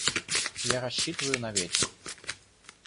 Я рассчитываю на вечер.